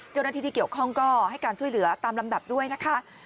เจ้าหน้าที่ที่เกี่ยวข้องก็ให้การช่วยเหลือตามลำดับด้วยนะคะ